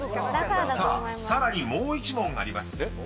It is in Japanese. ［さらにもう１問あります］